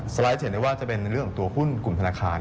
ไลด์จะเห็นได้ว่าจะเป็นในเรื่องของตัวหุ้นกลุ่มธนาคาร